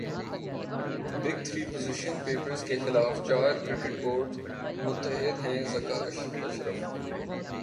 big three position paper کے خلاف چار کرکٹ بورڈز متحد ہیںذکا اشرف